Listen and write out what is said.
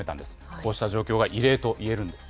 こうした状況は異例といえるんです。